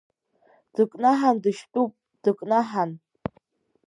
Дыкнаҳан дышьтәуп, дыкнаҳан!